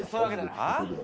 あっ？